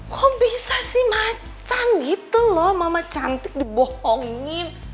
kok bisa sih macan gitu loh mama cantik dibohongin